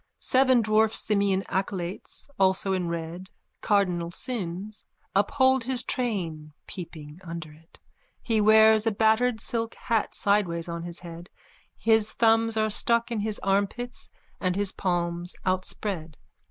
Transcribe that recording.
Seven dwarf simian acolytes, also in red, cardinal sins, uphold his train, peeping under it. He wears a battered silk hat sideways on his head. His thumbs are stuck in his armpits and his palms outspread.